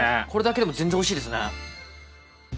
これだけでも全然おいしいですね。